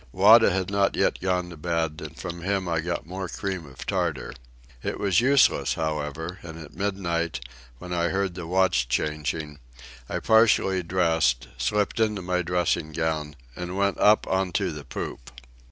Wada had not yet gone to bed, and from him I got more cream of tartar. It was useless, however, and at midnight, when I heard the watch changing, I partially dressed, slipped into my dressing gown, and went up on to the poop.